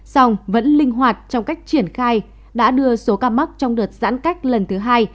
song vẫn linh hoạt trong cách triển khai đã đưa số ca mắc trong đợt giãn cách lần thứ hai